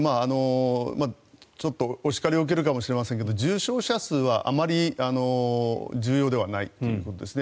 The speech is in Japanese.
ちょっとお叱りを受けるかもしれませんが重症者数はあまり重要ではないということですね。